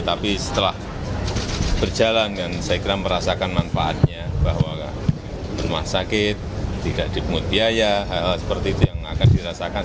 tapi setelah berjalan dan saya kira merasakan manfaatnya bahwa rumah sakit tidak dipungut biaya hal hal seperti itu yang akan dirasakan